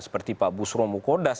seperti pak busrom mukodas